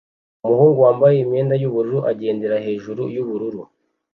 Umuhungu wambaye imyenda yubururu agendera hejuru yubururu